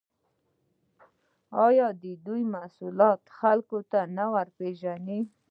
آیا دوی محصولات خلکو ته نه ورپېژني؟